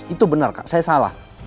itu benar kak saya salah